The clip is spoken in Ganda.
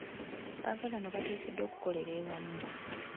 Abaagalana bateekeddwa okukolera awamu.